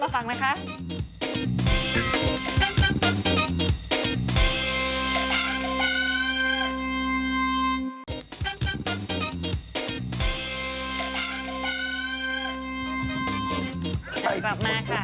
ที่หมดว่าไปเลยค่ะ